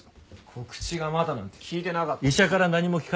告知がまだなんて聞いてなかったんですよ。